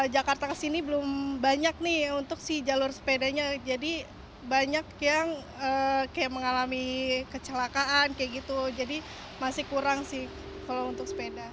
jakarta ke sini belum banyak nih untuk jalur sepedanya jadi banyak yang mengalami kecelakaan jadi masih kurang sih kalau untuk sepeda